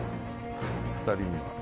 ２人には。